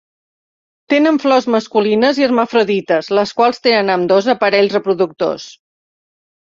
Tenen flors masculines i hermafrodites, les quals tenen ambdós aparells reproductors.